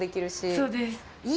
そうです。